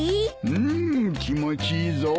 うん気持ちいいぞ。